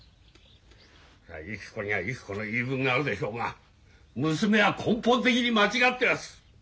ゆき子にはゆき子の言い分があるでしょうが娘は根本的に間違ってます。